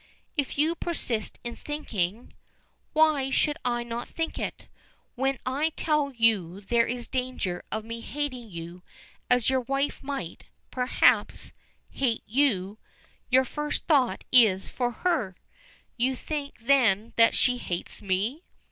"If you persist in thinking " "Why should I not think it? When I tell you there is danger of my hating you, as your wife might perhaps hate you your first thought is for her! 'You think then that she hates me'?"